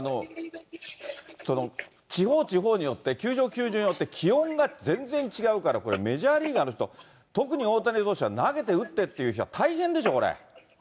地方地方によって、球場球場によって気温が全然違うから、これ、メジャーリーガーの人、特に大谷投手は投げて打ってっていう日は、大変でしょ、これ。